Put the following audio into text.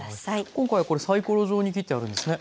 今回はこれサイコロ状に切ってあるんですね。